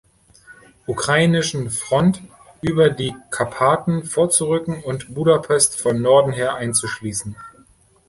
Ukrainischen Front über die Karpaten vorzurücken und Budapest von Norden her einzuschließen.